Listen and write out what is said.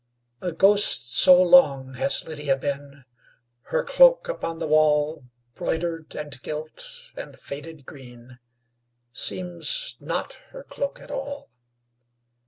A ghost so long has Lydia been, Her cloak upon the wall, Broidered, and gilt, and faded green, Seems not her cloak at all.